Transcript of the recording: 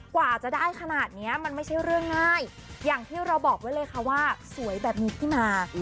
กว่าจะได้ขนาดนี้มันไม่ใช่เรื่องง่ายอย่างที่เราบอกไว้เลยค่ะว่าสวยแบบมีที่มา